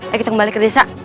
ayo kita kembali ke desa